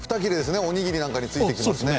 おにぎりなんかについてきますね。